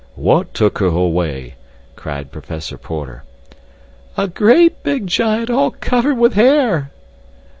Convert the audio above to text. "What took her away?" cried Professor Porter. "A great big giant all covered with hair."